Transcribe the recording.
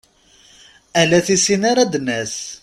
Ala tissin ara d-nas.